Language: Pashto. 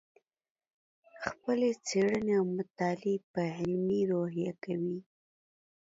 خپلې څېړنې او مطالعې په علمي روحیه کوې.